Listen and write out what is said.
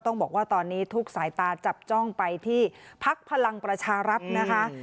ต้องบอกว่าตอนนี้ทุกสายตาจับจ้องไปที่พักพลังประชารัฐนะคะ